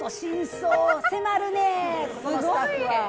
すごい！